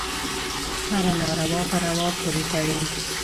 هره ناروا په روا پورې تړي.